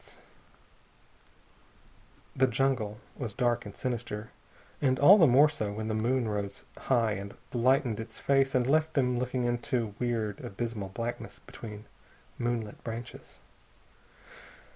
The jungle was dark and sinister, and all the more so when the moon rose high and lightened its face and left them looking into weird, abysmal blackness between moonlit branches.